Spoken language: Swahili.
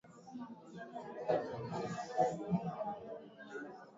na wananchi wakusudie kuwa na mchakato wa kufanya mabadiliko